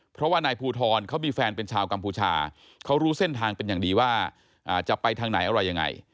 เพราะว่านายภูทรเขามีแฟนเป็นชาวกัมพูชาเขารู้เส้นทางเป็นอย่างดีว่าจะไปทางไหนอะไรยังไง